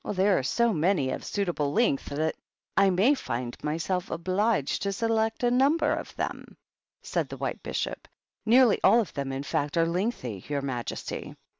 " There are so many of suitable length that I may find myself obliged to select a number of them," said the White Bishop. " Nearly all of them, in fact, are lengthy, your majesty."